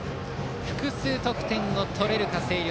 複数得点を取れるか星稜。